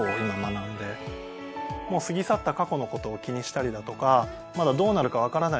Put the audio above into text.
もう過ぎ去った過去のことを気にしたりだとかまだどうなるか分からない